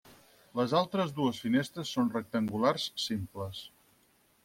Les altres dues finestres són rectangulars simples.